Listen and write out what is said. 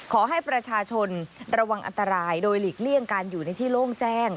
ขอให้ประชาชนระวังอันตรายโดยหลีกเลี่ยงการอยู่ในที่โล่งแจ้ง